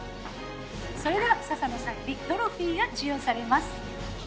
それでは笹野さんよりトロフィーが授与されます。